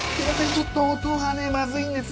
ちょっと音がねマズいんですよ。